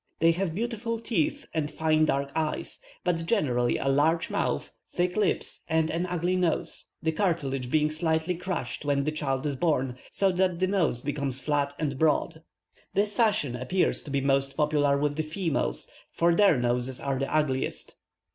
They have beautiful teeth and fine dark eyes, but generally a large mouth, thick lips, and an ugly nose, the cartilage being slightly crushed when the child is born, so that the nose becomes flat and broad. This fashion appears to be most popular with the females, for their noses are the ugliest.